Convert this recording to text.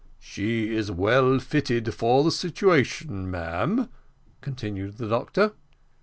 "She is well fitted for the situation, ma'am," continued the doctor.